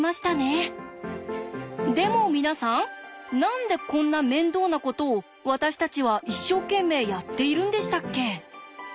でも皆さん何でこんな面倒なことを私たちは一生懸命やっているんでしたっけ？